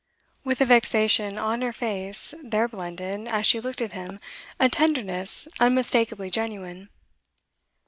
With the vexation on her face there blended, as she looked at him, a tenderness unmistakably genuine.